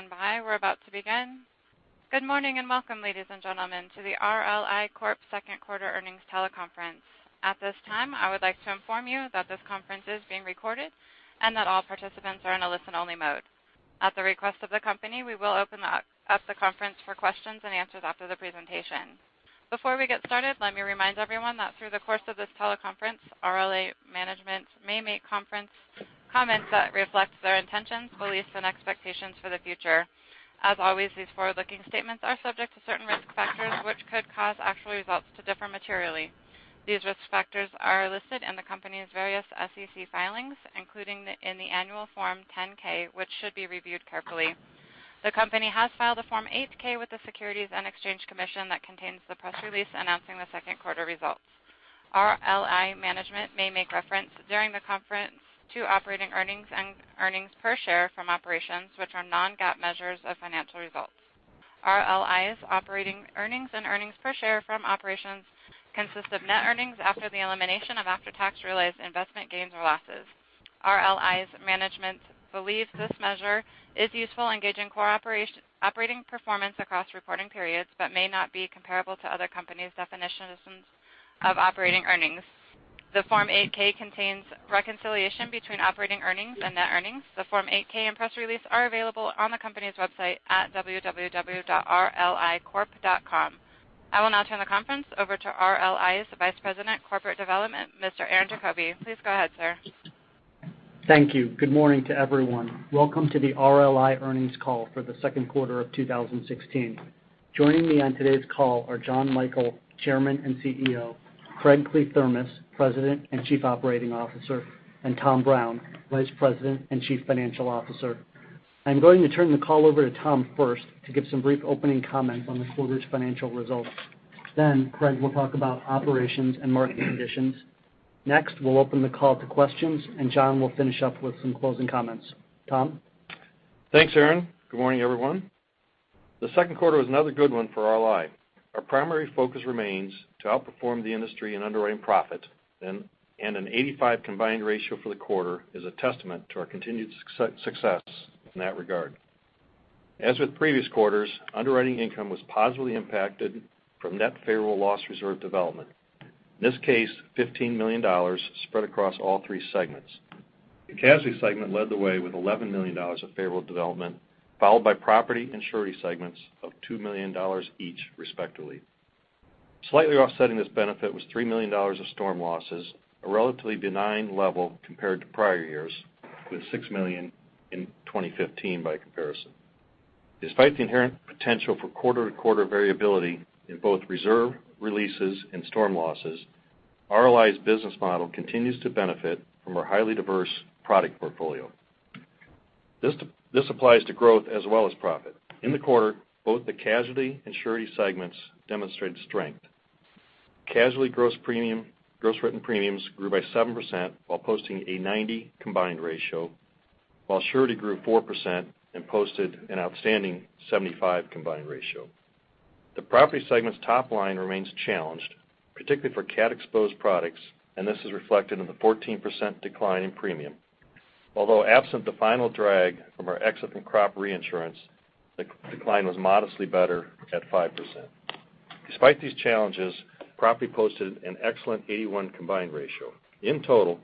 Please stand by. We're about to begin. Good morning, and welcome, ladies and gentlemen, to the RLI Corp. second quarter earnings teleconference. At this time, I would like to inform you that this conference is being recorded and that all participants are in a listen-only mode. At the request of the company, we will open up the conference for questions and answers after the presentation. Before we get started, let me remind everyone that through the course of this teleconference, RLI management may make comments that reflect their intentions, beliefs, and expectations for the future. As always, these forward-looking statements are subject to certain risk factors which could cause actual results to differ materially. These risk factors are listed in the company's various SEC filings, including in the annual Form 10-K, which should be reviewed carefully. The company has filed a Form 8-K with the Securities and Exchange Commission that contains the press release announcing the second quarter results. RLI management may make reference during the conference to operating earnings and earnings per share from operations, which are non-GAAP measures of financial results. RLI's operating earnings and earnings per share from operations consist of net earnings after the elimination of after-tax realized investment gains or losses. RLI's management believes this measure is useful in gauging core operating performance across reporting periods but may not be comparable to other companies' definitions of operating earnings. The Form 8-K contains reconciliation between operating earnings and net earnings. The Form 8-K and press release are available on the company's website at www.rlicorp.com. I will now turn the conference over to RLI's Vice President of Corporate Development, Mr. Aaron Diefenthaler. Please go ahead, sir. Thank you. Good morning to everyone. Welcome to the RLI earnings call for the second quarter of 2016. Joining me on today's call are Jonathan Michael, Chairman and Chief Executive Officer, Craig Kliethermes, President and Chief Operating Officer, and Todd Bryant, Vice President and Chief Financial Officer. I'm going to turn the call over to Todd first to give some brief opening comments on the quarter's financial results. Craig will talk about operations and market conditions. We'll open the call to questions, and John will finish up with some closing comments. Todd? Thanks, Aaron. Good morning, everyone. The second quarter was another good one for RLI. Our primary focus remains to outperform the industry in underwriting profit and an 85 combined ratio for the quarter is a testament to our continued success in that regard. As with previous quarters, underwriting income was positively impacted from net favorable loss reserve development. In this case, $15 million spread across all three segments. The casualty segment led the way with $11 million of favorable development, followed by property and surety segments of $2 million each, respectively. Slightly offsetting this benefit was $3 million of storm losses, a relatively benign level compared to prior years, with $6 million in 2015 by comparison. Despite the inherent potential for quarter-to-quarter variability in both reserve releases and storm losses, RLI's business model continues to benefit from our highly diverse product portfolio. This applies to growth as well as profit. In the quarter, both the casualty and surety segments demonstrated strength. Casualty gross written premiums grew by 7% while posting a 90 combined ratio, while surety grew 4% and posted an outstanding 75 combined ratio. The property segment's top line remains challenged, particularly for cat-exposed products, and this is reflected in the 14% decline in premium. Although absent the final drag from our exit from crop reinsurance, the decline was modestly better at 5%. Despite these challenges, property posted an excellent 81 combined ratio. In total,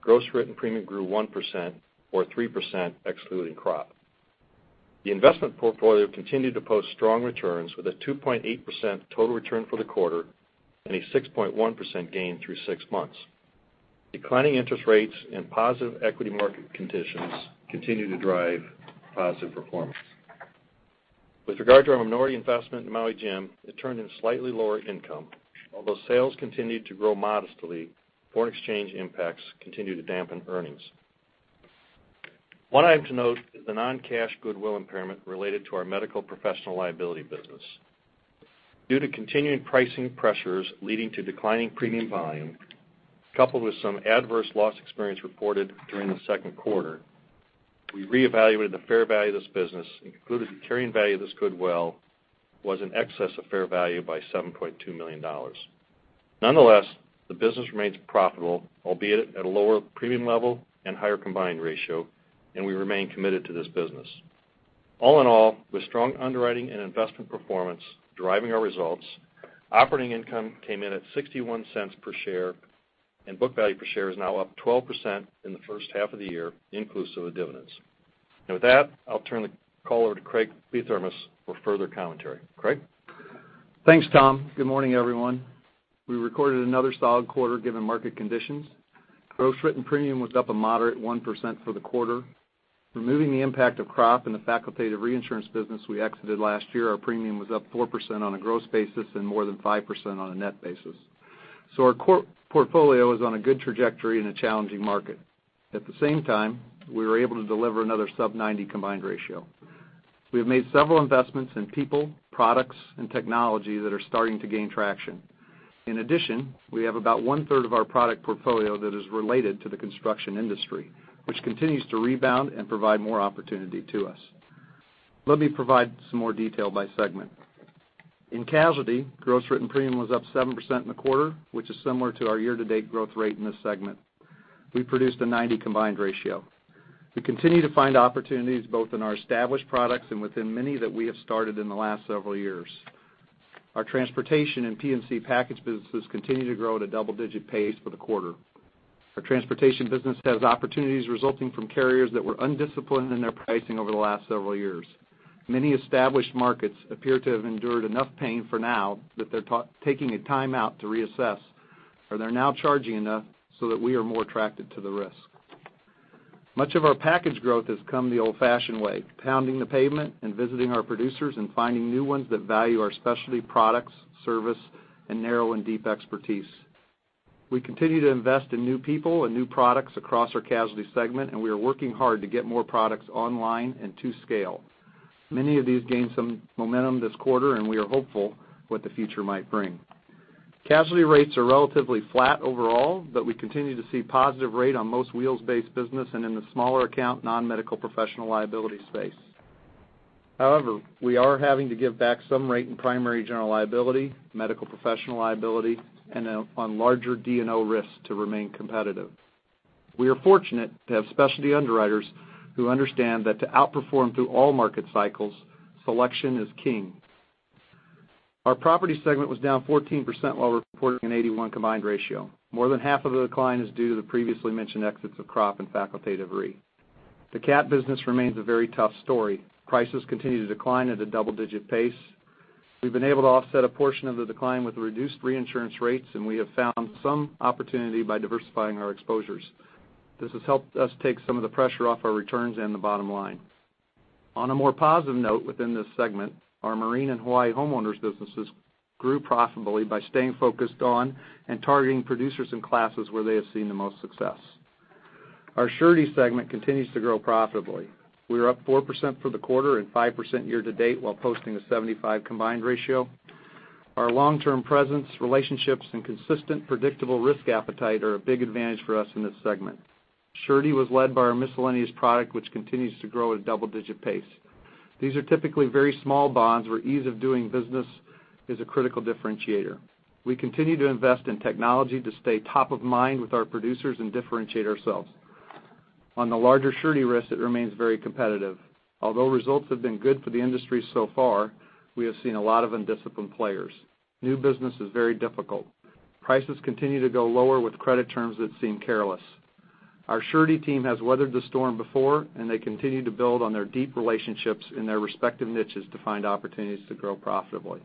gross written premium grew 1% or 3% excluding crop. The investment portfolio continued to post strong returns with a 2.8% total return for the quarter and a 6.1% gain through six months. Declining interest rates and positive equity market conditions continue to drive positive performance. With regard to our minority investment in Maui Jim, it turned in slightly lower income. Although sales continued to grow modestly, foreign exchange impacts continued to dampen earnings. One item to note is the non-cash goodwill impairment related to our medical professional liability business. Due to continuing pricing pressures leading to declining premium volume, coupled with some adverse loss experience reported during the second quarter, we reevaluated the fair value of this business and concluded the carrying value of this goodwill was in excess of fair value by $7.2 million. Nonetheless, the business remains profitable, albeit at a lower premium level and higher combined ratio, and we remain committed to this business. All in all, with strong underwriting and investment performance driving our results, operating income came in at $0.61 per share, and book value per share is now up 12% in the first half of the year, inclusive of dividends. With that, I'll turn the call over to Craig Kliethermes for further commentary. Craig? Thanks, Todd. Good morning, everyone. We recorded another solid quarter given market conditions. Gross written premium was up a moderate 1% for the quarter. Removing the impact of crop and the facultative reinsurance business we exited last year, our premium was up 4% on a gross basis and more than 5% on a net basis. Our core portfolio is on a good trajectory in a challenging market. At the same time, we were able to deliver another sub 90 combined ratio. We have made several investments in people, products, and technology that are starting to gain traction. In addition, we have about one-third of our product portfolio that is related to the construction industry, which continues to rebound and provide more opportunity to us. Let me provide some more detail by segment. In casualty, gross written premium was up 7% in the quarter, which is similar to our year-to-date growth rate in this segment. We produced a 90 combined ratio. We continue to find opportunities both in our established products and within many that we have started in the last several years. Our transportation and P&C package businesses continue to grow at a double-digit pace for the quarter. Our transportation business has opportunities resulting from carriers that were undisciplined in their pricing over the last several years. Many established markets appear to have endured enough pain for now that they're taking a timeout to reassess, or they're now charging enough so that we are more attracted to the risk. Much of our package growth has come the old-fashioned way, pounding the pavement and visiting our producers and finding new ones that value our specialty products, service, and narrow and deep expertise. We continue to invest in new people and new products across our casualty segment. We are working hard to get more products online and to scale. Many of these gained some momentum this quarter. We are hopeful what the future might bring. Casualty rates are relatively flat overall, but we continue to see positive rate on most wheels-based business and in the smaller account, non-medical professional liability space. However, we are having to give back some rate in primary general liability, medical professional liability, and on larger D&O risks to remain competitive. We are fortunate to have specialty underwriters who understand that to outperform through all market cycles, selection is king. Our property segment was down 14% while reporting an 81 combined ratio. More than half of the decline is due to the previously mentioned exits of crop and facultative re. The cat business remains a very tough story. Prices continue to decline at a double-digit pace. We've been able to offset a portion of the decline with reduced reinsurance rates. We have found some opportunity by diversifying our exposures. This has helped us take some of the pressure off our returns and the bottom line. On a more positive note within this segment, our marine and Hawaii homeowners businesses grew profitably by staying focused on and targeting producers in classes where they have seen the most success. Our surety segment continues to grow profitably. We are up 4% for the quarter and 5% year to date, while posting a 75 combined ratio. Our long-term presence, relationships, and consistent predictable risk appetite are a big advantage for us in this segment. Surety was led by our miscellaneous product, which continues to grow at a double-digit pace. These are typically very small bonds where ease of doing business is a critical differentiator. We continue to invest in technology to stay top of mind with our producers and differentiate ourselves. On the larger surety risk, it remains very competitive. Although results have been good for the industry so far, we have seen a lot of undisciplined players. New business is very difficult. Prices continue to go lower with credit terms that seem careless. Our surety team has weathered the storm before. They continue to build on their deep relationships in their respective niches to find opportunities to grow profitably.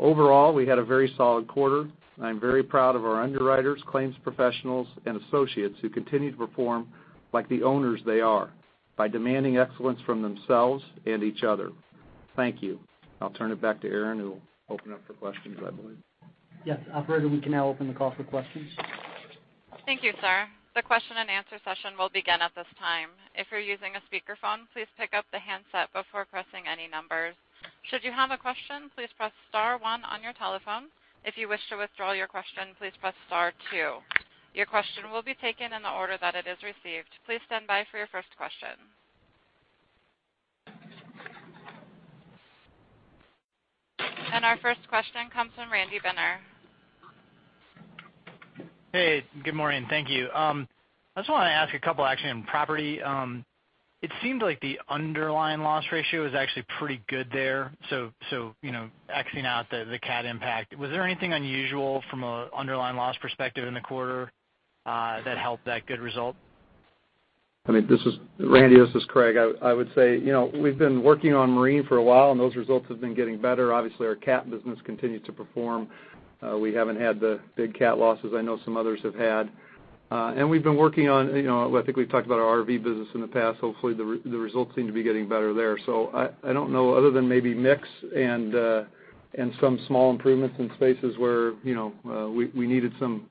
Overall, we had a very solid quarter. I'm very proud of our underwriters, claims professionals, and associates who continue to perform like the owners they are, by demanding excellence from themselves and each other. Thank you. I'll turn it back to Aaron, who will open up for questions, I believe. Yes. Operator, we can now open the call for questions. Thank you, sir. The question and answer session will begin at this time. If you're using a speakerphone, please pick up the handset before pressing any numbers. Should you have a question, please press star one on your telephone. If you wish to withdraw your question, please press star two. Your question will be taken in the order that it is received. Please stand by for your first question. Our first question comes from Randy Binner. Hey, good morning. Thank you. I just want to ask a couple, actually, on property. It seemed like the underlying loss ratio was actually pretty good there. Axing out the cat impact, was there anything unusual from an underlying loss perspective in the quarter that helped that good result? Randy Binner, this is Craig Kliethermes. I would say, we've been working on marine for a while, and those results have been getting better. Obviously, our cat business continues to perform. We haven't had the big cat losses I know some others have had. We've been working on, I think we've talked about our RV business in the past. Hopefully, the results seem to be getting better there. I don't know, other than maybe mix and some small improvements in spaces where we needed some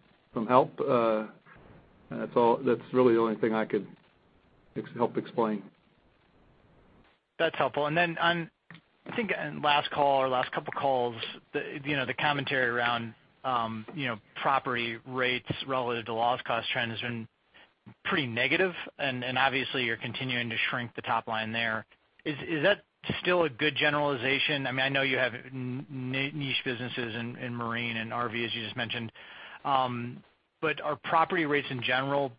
help. That's really the only thing I could help explain. That's helpful. Then on, I think last call or last couple of calls, the commentary around property rates relative to loss cost trends has been pretty negative, and obviously you're continuing to shrink the top line there. Is that still a good generalization? I know you have niche businesses in marine and RV, as you just mentioned. Are property rates in general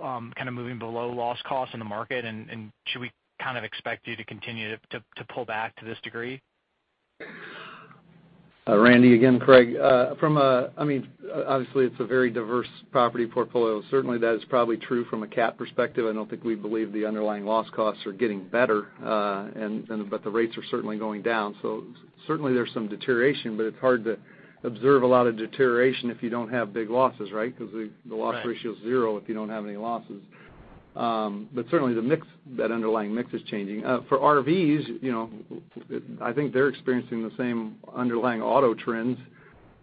kind of moving below loss costs in the market, and should we kind of expect you to continue to pull back to this degree? Randy Binner, again, Craig Kliethermes. Obviously, it's a very diverse property portfolio. Certainly, that is probably true from a cat perspective. I don't think we believe the underlying loss costs are getting better. The rates are certainly going down. Certainly there's some deterioration, but it's hard to observe a lot of deterioration if you don't have big losses, right? Because the loss ratio is zero if you don't have any losses. Certainly that underlying mix is changing. For RVs, I think they're experiencing the same underlying auto trends,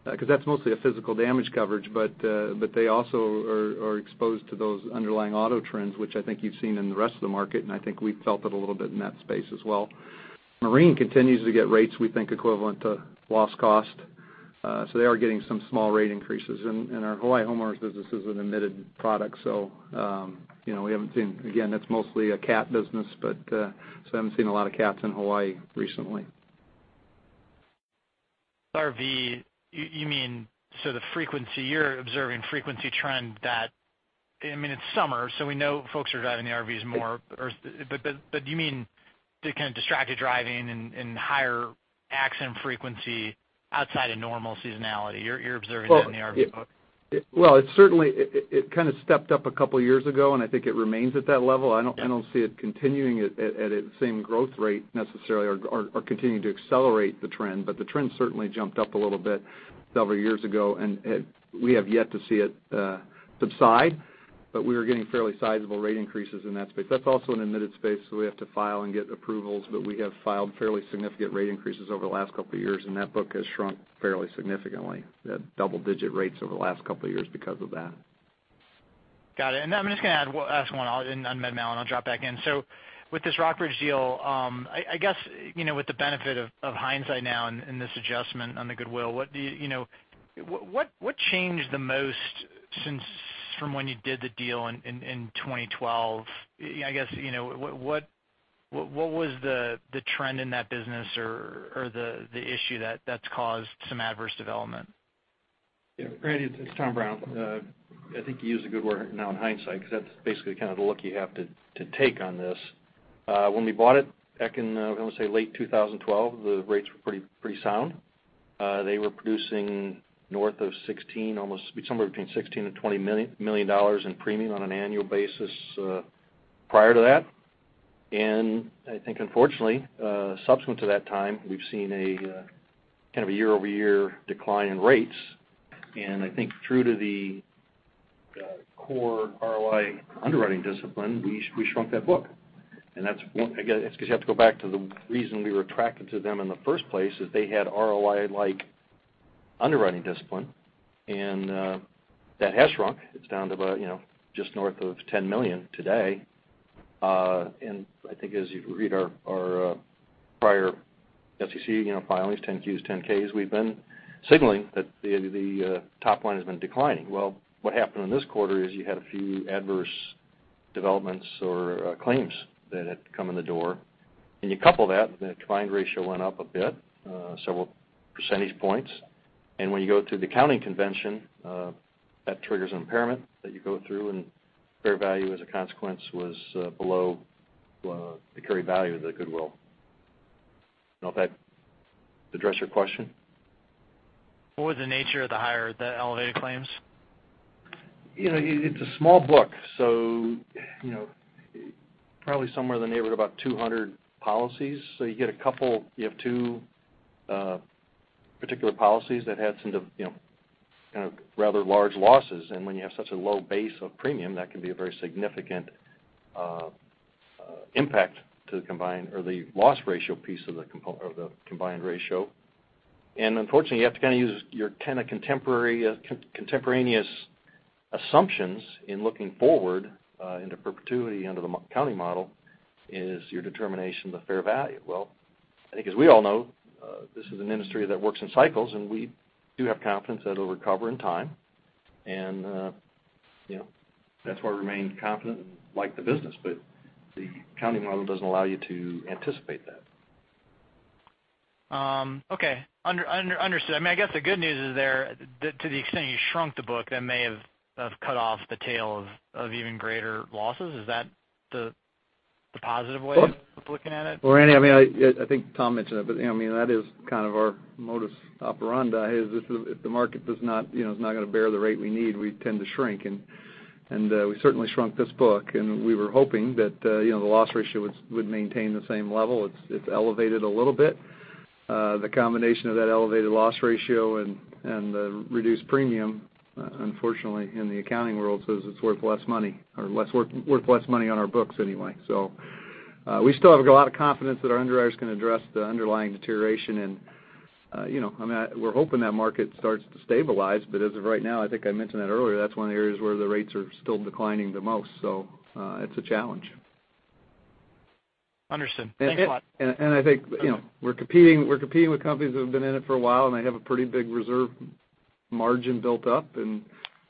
because that's mostly a physical damage coverage. They also are exposed to those underlying auto trends, which I think you've seen in the rest of the market, and I think we've felt it a little bit in that space as well. Marine continues to get rates we think equivalent to loss cost They are getting some small rate increases. Our Hawaii homeowners business is an admitted product, so we haven't seen, again, that's mostly a cat business, but so I haven't seen a lot of cats in Hawaii recently. RV, you mean the frequency, you're observing frequency trend that, it's summer, we know folks are driving the RVs more. Do you mean the kind of distracted driving and higher accident frequency outside of normal seasonality, you're observing that in the RV book? Well, it certainly stepped up a couple of years ago, and I think it remains at that level. I don't see it continuing at its same growth rate necessarily or continuing to accelerate the trend, the trend certainly jumped up a little bit several years ago, and we have yet to see it subside. We are getting fairly sizable rate increases in that space. That's also an admitted space, we have to file and get approvals, we have filed fairly significant rate increases over the last couple of years, and that book has shrunk fairly significantly. We had double-digit rates over the last couple of years because of that. Got it. I'm just going to ask one on MedMal, and I'll drop back in. With this Rockbridge deal, I guess, with the benefit of hindsight now and this adjustment on the goodwill, what changed the most since from when you did the deal in 2012? I guess, what was the trend in that business or the issue that's caused some adverse development? Yeah, Randy, it's Todd Bryant. I think you used a good word now in hindsight, because that's basically kind of the look you have to take on this. When we bought it back in, I want to say, late 2012, the rates were pretty sound. They were producing north of $16 million, almost somewhere between $16 million-$20 million in premium on an annual basis prior to that. I think unfortunately, subsequent to that time, we've seen a year-over-year decline in rates. I think true to the core RLI underwriting discipline, we shrunk that book. That's one, again, it's because you have to go back to the reason we were attracted to them in the first place is they had RLI-like underwriting discipline. That has shrunk. It's down to about just north of $10 million today. I think as you read our prior SEC filings, 10-Qs, 10-Ks, we've been signaling that the top line has been declining. What happened in this quarter is you had a few adverse developments or claims that had come in the door. You couple that with a combined ratio went up a bit, several percentage points. When you go to the accounting convention, that triggers impairment that you go through, and fair value as a consequence was below the carry value of the goodwill. Does that address your question? What was the nature of the higher, the elevated claims? It's a small book, probably somewhere in the neighborhood of about 200 policies. You get a couple, you have two particular policies that had some kind of rather large losses. When you have such a low base of premium, that can be a very significant impact to the combined or the loss ratio piece of the combined ratio. Unfortunately, you have to kind of use your kind of contemporaneous assumptions in looking forward into perpetuity under the accounting model is your determination of the fair value. I think as we all know, this is an industry that works in cycles, we do have confidence that it'll recover in time. That's why we remain confident and like the business, but the accounting model doesn't allow you to anticipate that. Okay. Understood. I guess the good news is there, to the extent you shrunk the book, that may have cut off the tail of even greater losses. Is that the positive way of looking at it? Well, Randy, I think Todd mentioned it, that is kind of our modus operandi is if the market is not going to bear the rate we need, we tend to shrink. We certainly shrunk this book, and we were hoping that the loss ratio would maintain the same level. It's elevated a little bit. The combination of that elevated loss ratio and the reduced premium, unfortunately, in the accounting world says it's worth less money or worth less money on our books anyway. We still have a lot of confidence that our underwriters can address the underlying deterioration, and we're hoping that market starts to stabilize. As of right now, I think I mentioned that earlier, that's one of the areas where the rates are still declining the most. It's a challenge. Understood. Thanks a lot. I think we're competing with companies that have been in it for a while, and they have a pretty big reserve margin built up, and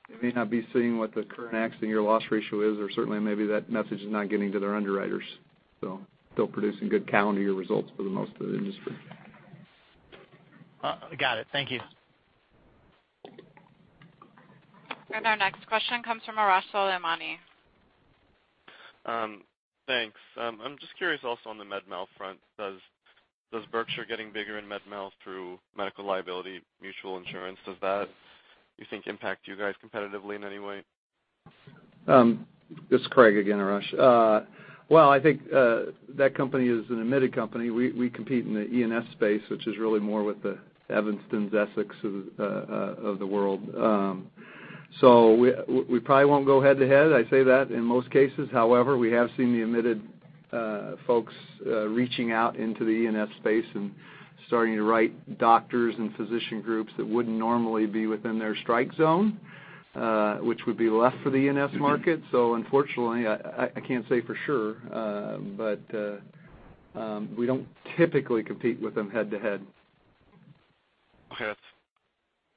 they may not be seeing what the current accident year loss ratio is, or certainly maybe that message is not getting to their underwriters. Still producing good calendar year results for the most of the industry. Got it. Thank you. Our next question comes from Arash Soleimani. Thanks. I'm just curious also on the MedMal front. Does Berkshire getting bigger in MedMal through Medical Liability Mutual Insurance, does that, you think, impact you guys competitively in any way? This is Craig again, Arash. I think that company is an admitted company. We compete in the E&S space, which is really more with the Evanstons, Essex of the world. We probably won't go head to head, I say that in most cases. However, we have seen the admitted folks reaching out into the E&S space and starting to write doctors and physician groups that wouldn't normally be within their strike zone, which would be left for the E&S market. Unfortunately, I can't say for sure, but we don't typically compete with them head-to-head. Okay.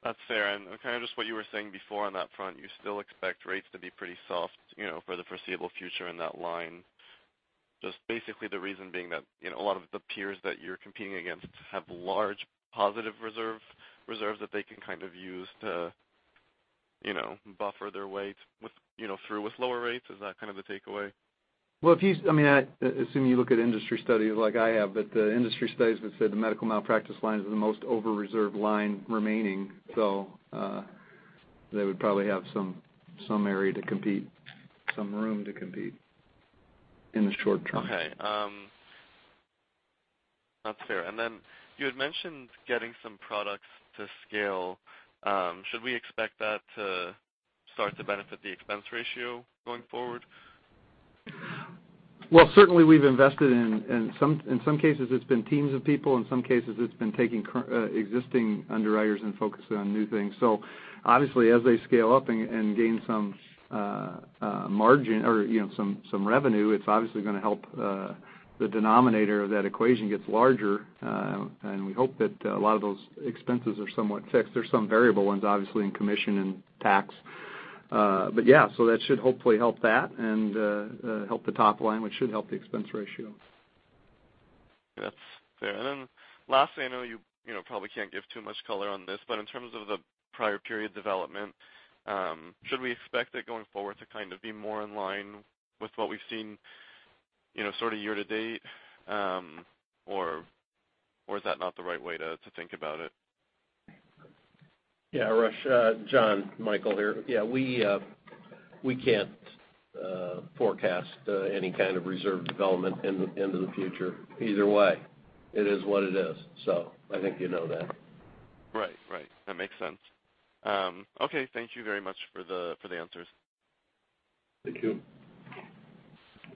That's fair. Kind of just what you were saying before on that front, you still expect rates to be pretty soft for the foreseeable future in that line. Just basically the reason being that a lot of the peers that you're competing against have large positive reserves that they can use to buffer their way through with lower rates. Is that kind of the takeaway? Well, I assume you look at industry studies like I have, the industry studies have said the medical malpractice line is the most over-reserved line remaining. They would probably have some area to compete, some room to compete in the short term. Okay. That's fair. Then you had mentioned getting some products to scale. Should we expect that to start to benefit the expense ratio going forward? Well, certainly we've invested in some cases it's been teams of people, in some cases, it's been taking existing underwriters and focusing on new things. Obviously, as they scale up and gain some margin or some revenue, it's obviously going to help the denominator of that equation gets larger. We hope that a lot of those expenses are somewhat fixed. There's some variable ones, obviously, in commission and tax. That should hopefully help that and help the top line, which should help the expense ratio. That's fair. Then lastly, I know you probably can't give too much color on this, in terms of the prior period development, should we expect it going forward to kind of be more in line with what we've seen sort of year to date? Is that not the right way to think about it? Yeah, Arash. John Michael here. Yeah, we can't forecast any kind of reserve development into the future either way. It is what it is. I think you know that. Right. That makes sense. Okay. Thank you very much for the answers. Thank you.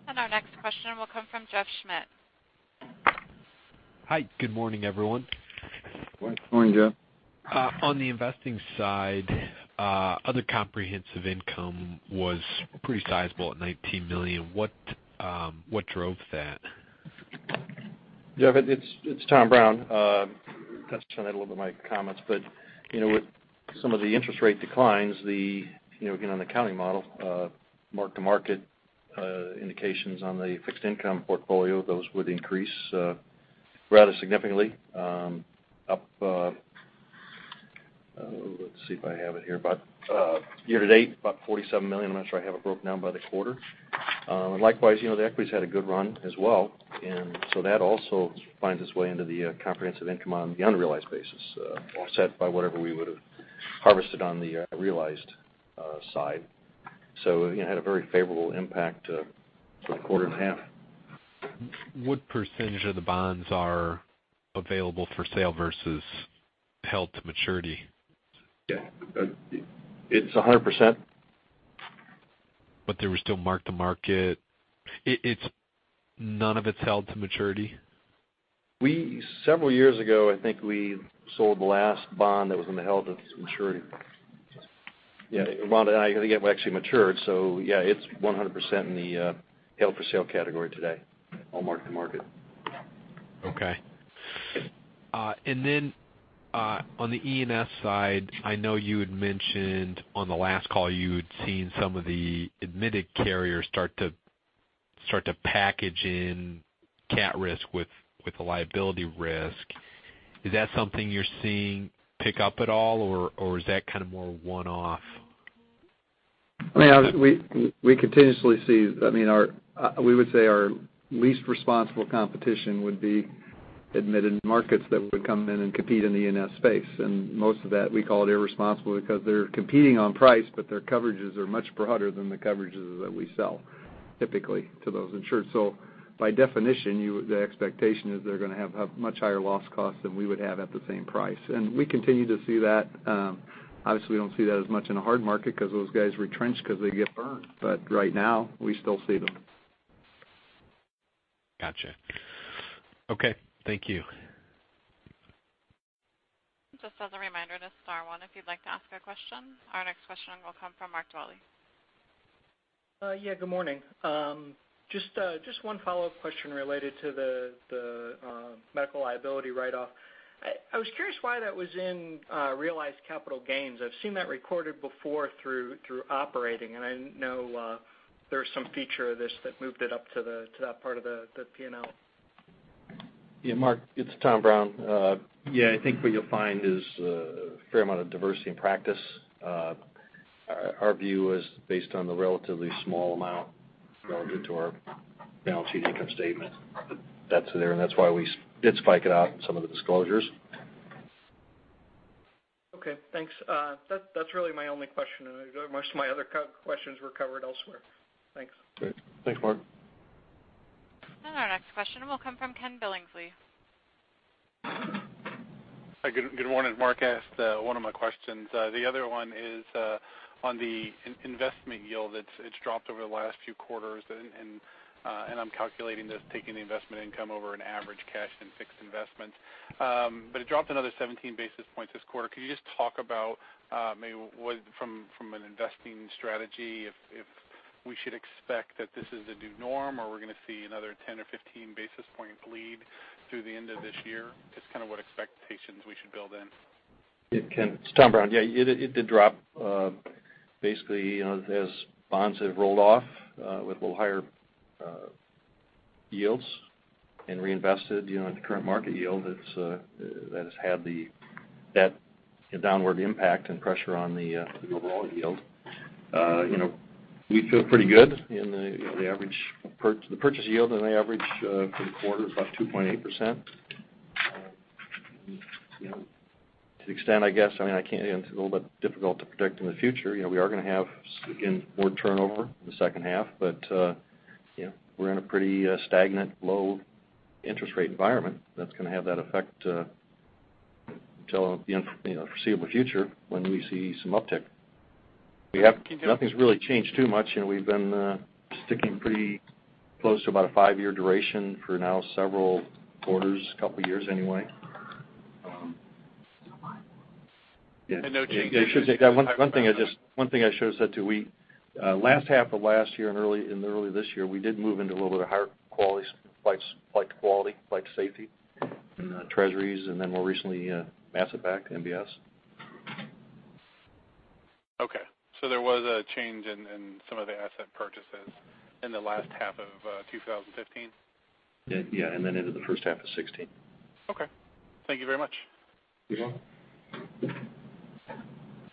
Okay. Our next question will come from Jeff Schmitt. Hi. Good morning, everyone. Good morning, Jeff. On the investing side, other comprehensive income was pretty sizable at $19 million. What drove that? Jeff, it's Todd Bryant. Touched on that a little bit in my comments. With some of the interest rate declines, again, on the accounting model, mark-to-market indications on the fixed income portfolio, those would increase rather significantly up. Let's see if I have it here. Year to date, about $47 million. I'm not sure I have it broken down by the quarter. Likewise, the equity's had a good run as well. That also finds its way into the comprehensive income on the unrealized basis, offset by whatever we would've harvested on the realized side. Yeah, had a very favorable impact for the quarter and a half. What percentage of the bonds are available for sale versus held to maturity? Yeah. It's 100%. They were still mark to market. None of it's held to maturity? Several years ago, I think we sold the last bond that was going to be held to maturity. Yeah, it actually matured. Yeah, it's 100% in the held for sale category today. All mark to market. Okay. On the E&S side, I know you had mentioned on the last call you had seen some of the admitted carriers start to package in cat risk with the liability risk. Is that something you're seeing pick up at all, or is that kind of more one-off? We continuously see our least responsible competition would be admitted markets that would come in and compete in the E&S space. Most of that we call it irresponsible because they're competing on price, but their coverages are much broader than the coverages that we sell typically to those insured. By definition, the expectation is they're going to have much higher loss costs than we would have at the same price. We continue to see that. Obviously, we don't see that as much in a hard market because those guys retrench because they get burned. Right now, we still see them. Gotcha. Okay. Thank you. Just as a reminder, it is star one if you'd like to ask a question. Our next question will come from Mark Dwelle. Yeah, good morning. Just one follow-up question related to the medical liability write-off. I was curious why that was in realized capital gains. I've seen that recorded before through operating, and I know there was some feature of this that moved it up to that part of the P&L. Yeah, Mark, it's Todd Bryant. I think what you'll find is a fair amount of diversity in practice. Our view is based on the relatively small amount relative to our balance sheet income statement that's there, and that's why we did spike it out in some of the disclosures. Okay, thanks. That's really my only question. Most of my other questions were covered elsewhere. Thanks. Great. Thanks, Mark. Our next question will come from Ken Billingsley. Hi, good morning. Mark asked one of my questions. The other one is, on the investment yield. It's dropped over the last few quarters, and I'm calculating this taking the investment income over and investment. It dropped another 17 basis points this quarter. Could you just talk about maybe from an investing strategy, if we should expect that this is the new norm or we're going to see another 10 or 15 basis point bleed through the end of this year, just kind of what expectations we should build in. It's Todd Bryant. It did drop. Basically, as bonds have rolled off with a little higher yields and reinvested at the current market yield, that has had that downward impact and pressure on the overall yield. We feel pretty good in the purchase yield, and the average for the quarter is about 2.8%. To extent, I guess, it's a little bit difficult to predict in the future. We are going to have, again, board turnover in the second half, but we're in a pretty stagnant, low interest rate environment that's going to have that effect until the foreseeable future when we see some uptick. Nothing's really changed too much, and we've been sticking pretty close to about a five-year duration for now several quarters, couple of years anyway. no changes. One thing I should've said too, last half of last year and early this year, we did move into a little bit of higher flight to quality, flight to safety in Treasuries, and then more recently, asset-backed MBS. Okay. there was a change in some of the asset purchases in the last half of 2015? Yeah. then into the first half of 2016. Okay. Thank you very much. You're welcome.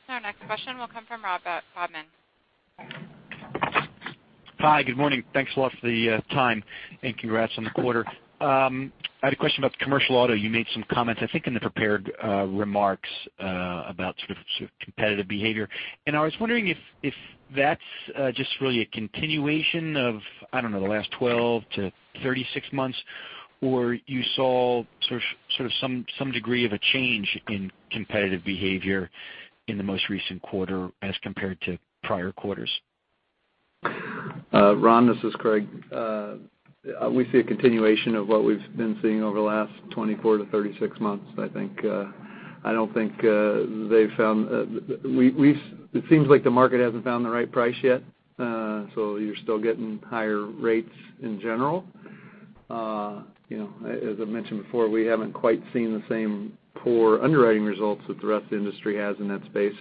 Our next question will come from Meyer Shields. Hi. Good morning. Thanks a lot for the time. Congrats on the quarter. I had a question about the commercial auto. You made some comments, I think, in the prepared remarks about sort of competitive behavior. I was wondering if that's just really a continuation of, I don't know, the last 12 to 36 months, or you saw sort of some degree of a change in competitive behavior in the most recent quarter as compared to prior quarters. Meyer, this is Craig. We see a continuation of what we've been seeing over the last 24 to 36 months, I think. It seems like the market hasn't found the right price yet. You're still getting higher rates in general. As I mentioned before, we haven't quite seen the same poor underwriting results that the rest of the industry has in that space.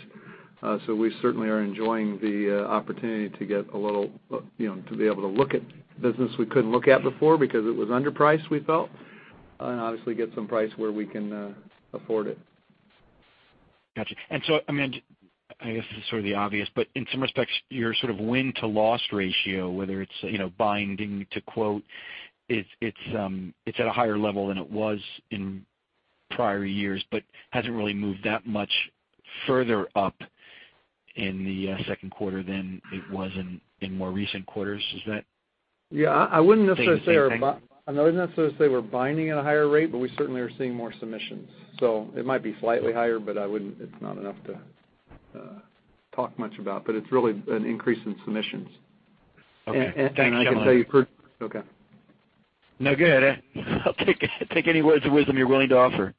We certainly are enjoying the opportunity to be able to look at business we couldn't look at before because it was underpriced, we felt, and obviously get some price where we can afford it. Got you. I guess this is sort of the obvious, but in some respects, your sort of win-to-loss ratio, whether it's binding to quote, it's at a higher level than it was in prior years, but hasn't really moved that much further up in the second quarter than it was in more recent quarters. Is that- Yeah, I wouldn't necessarily say- staying the same? I wouldn't necessarily say we're binding at a higher rate, but we certainly are seeing more submissions. It might be slightly higher, but it's not enough to talk much about. It's really an increase in submissions. Okay. Thanks. I can tell you okay. No, go ahead. I'll take any words of wisdom you're willing to offer.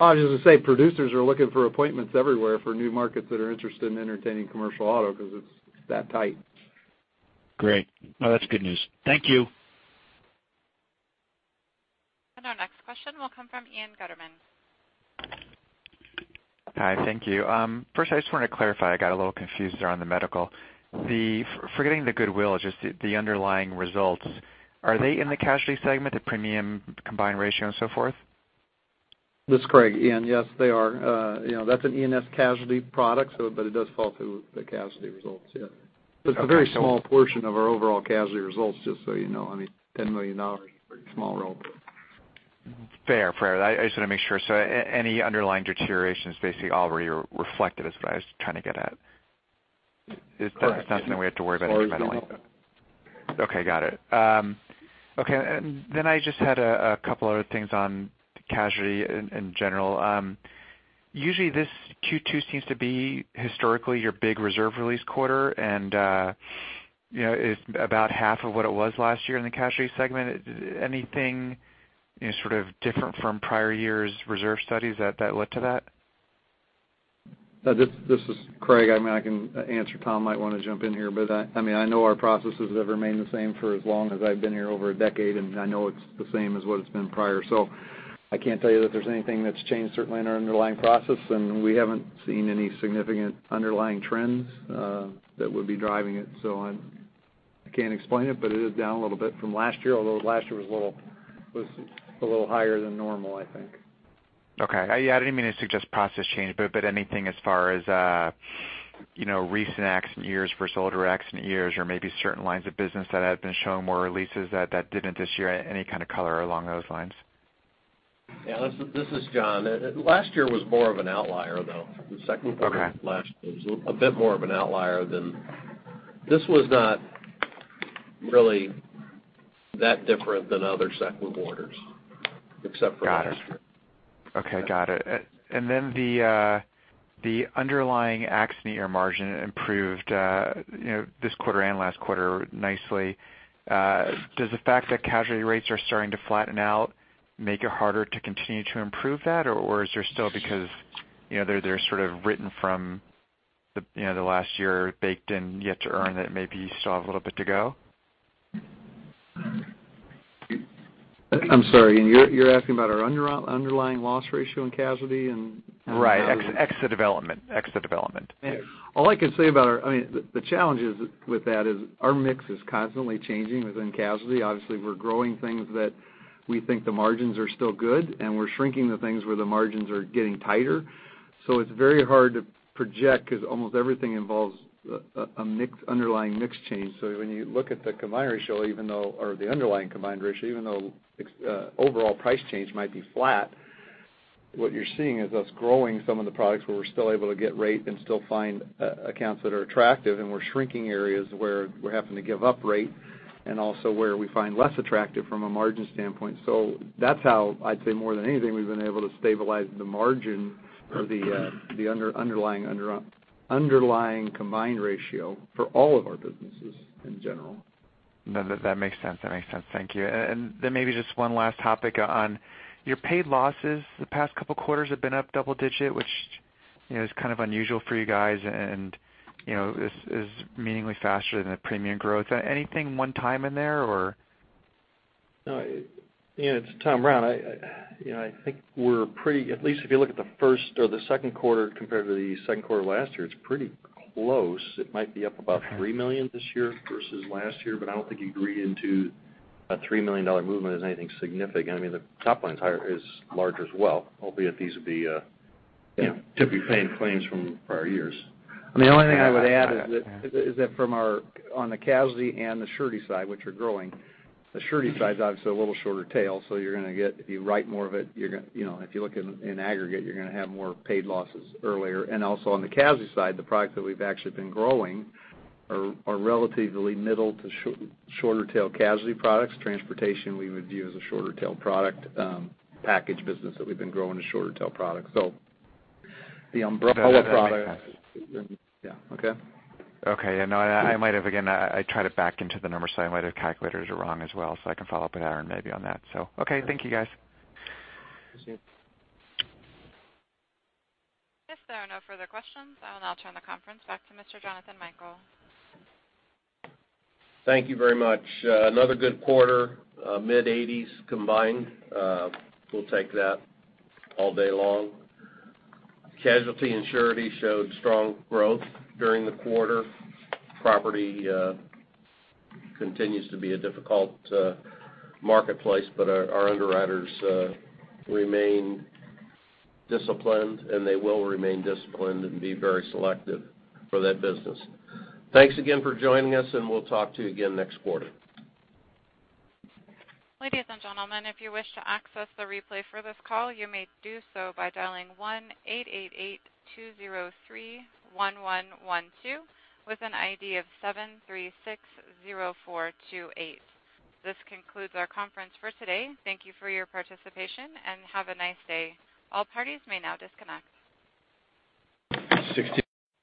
I was going to say, producers are looking for appointments everywhere for new markets that are interested in entertaining commercial auto because it's that tight. Great. No, that's good news. Thank you. Our next question will come from Ian Gutterman. Hi. Thank you. First I just wanted to clarify, I got a little confused there on the medical. Forgetting the goodwill, just the underlying results, are they in the casualty segment, the premium combined ratio and so forth? This is Craig. Ian, yes, they are. That's an E&S casualty product, but it does fall through the casualty results, yeah. Okay. It's a very small portion of our overall casualty results, just so you know. I mean, $10 million is a pretty small role. Fair. I just want to make sure. Any underlying deterioration is basically already reflected, is what I was trying to get at. Correct. It's not something we have to worry about incrementally. As far as we know. Okay. Got it. Okay, then I just had a couple other things on casualty in general. Usually, this Q2 seems to be historically your big reserve release quarter, and it's about half of what it was last year in the casualty segment. Anything sort of different from prior years' reserve studies that led to that? This is Craig. I can answer. Todd might want to jump in here, I know our processes have remained the same for as long as I've been here, over a decade, I know it's the same as what it's been prior. I can't tell you that there's anything that's changed, certainly in our underlying process, We haven't seen any significant underlying trends that would be driving it. I can't explain it, but it is down a little bit from last year, although last year was a little higher than normal, I think. Okay. Yeah, I didn't mean to suggest process change, anything as far as recent accident years versus older accident years or maybe certain lines of business that have been showing more releases that didn't this year, any kind of color along those lines? Yeah. This is John. Last year was more of an outlier, though. The second quarter- Okay Last year was a bit more of an outlier than. This was not really that different than other second quarters, except for last year. Okay, got it. The underlying accident year margin improved this quarter and last quarter nicely. Does the fact that casualty rates are starting to flatten out make it harder to continue to improve that? Is there still because they're sort of written from the last year baked and yet to earn that maybe you still have a little bit to go? I'm sorry, you're asking about our underlying loss ratio in casualty and- Right. Excellent development. All I can say about our. The challenge with that is our mix is constantly changing within casualty. Obviously, we're growing things that we think the margins are still good, and we're shrinking the things where the margins are getting tighter. It's very hard to project because almost everything involves a underlying mix change. When you look at the combined ratio, or the underlying combined ratio, even though overall price change might be flat, what you're seeing is us growing some of the products where we're still able to get rate and still find accounts that are attractive, and we're shrinking areas where we're having to give up rate, and also where we find less attractive from a margin standpoint. That's how, I'd say more than anything, we've been able to stabilize the margin of the underlying combined ratio for all of our businesses in general. No, that makes sense. Thank you. Maybe just one last topic on your paid losses the past couple of quarters have been up double-digit, which is kind of unusual for you guys and is meaningfully faster than the premium growth. Anything one-time in there or? It's Todd Bryant. I think we're pretty, at least if you look at the first or the second quarter compared to the second quarter last year, it's pretty close. It might be up about $3 million this year versus last year, but I don't think you'd read into a $3 million movement as anything significant. The top line is large as well, albeit these would be typically paying claims from prior years. The only thing I would add is that from our, on the casualty and the surety side, which are growing, the surety side is obviously a little shorter-tail, you're going to get, if you write more of it, if you look in aggregate, you're going to have more paid losses earlier. Also on the casualty side, the products that we've actually been growing are relatively middle-to-shorter-tail casualty products. Transportation, we would view as a shorter tail product. Package business that we've been growing is a shorter tail product. The umbrella product That makes sense. Yeah. Okay? Okay. I might have, again, I tried to back into the numbers, I might have calculators are wrong as well, I can follow up with Aaron maybe on that. Okay. Thank you guys. Appreciate it. If there are no further questions, I will now turn the conference back to Mr. Jonathan Michael. Thank you very much. Another good quarter, mid 80s combined. We'll take that all day long. Casualty and surety showed strong growth during the quarter. Property continues to be a difficult marketplace, but our underwriters remain disciplined, and they will remain disciplined and be very selective for that business. Thanks again for joining us, and we'll talk to you again next quarter. Ladies and gentlemen, if you wish to access the replay for this call, you may do so by dialing 1-888-203-1112 with an ID of 7360428. This concludes our conference for today. Thank you for your participation and have a nice day. All parties may now disconnect. 16